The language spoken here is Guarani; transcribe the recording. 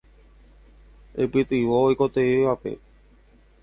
Eipytyvõ oikotevẽvape.